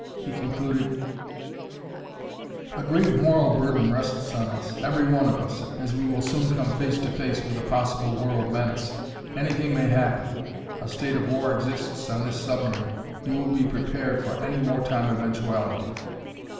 He concluded: "A great moral burden rests on us every one of us as we will soon come face to face with a possible world menace. Anything may happen. A state of war exists on this submarine. You will be prepared for any wartime eventuality!"